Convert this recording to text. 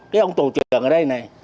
cái ông tổ trưởng ở đây này